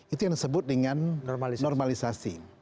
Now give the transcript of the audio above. itu yang disebut dengan normalisasi